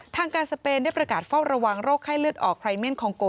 ทางการสเปนได้ประกาศเฝ้าระวังโรคไข้เลือดออกไพรเมียนคองโก